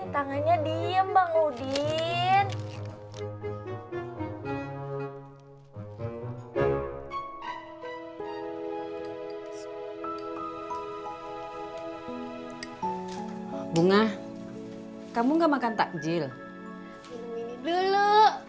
tangannya diem bang udin bunga kamu enggak makan takjil ini dulu